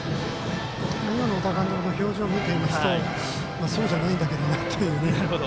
今の小田監督の表情見ていますとそうじゃないんだけどなっていう。